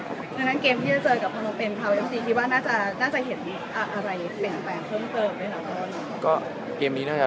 เกมที่เจอกับพิมาอในเมียนใหญมตรี